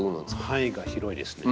範囲が広いですね。